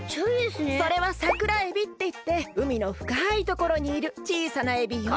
それはサクラエビっていってうみのふかいところにいるちいさなエビよ。